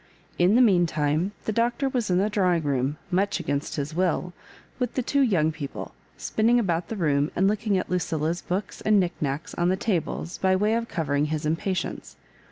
'* In the meantime the Doctor was in the drawing room, much against his will, with the two young people, spinning about the room, and looking at Lucilla's books and knick knacks on the tables by way of covering his im patience.